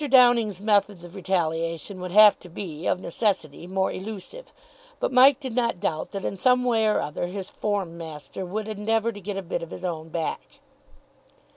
Downing's methods of retaliation would have to be, of necessity, more elusive; but Mike did not doubt that in some way or other his form master would endeavour to get a bit of his own back.